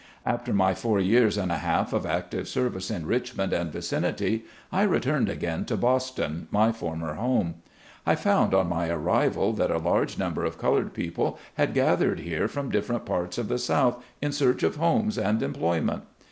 After my four years and a half of active service in Richmond and vicinity, I returned again to Boston, my former home. I found on my arrival that a large number of colored people had gathered here from different parts of the South in search of homes and employment.